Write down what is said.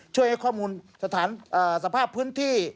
ช่วยให้ข้อมูลสถานสภาพพื้นที่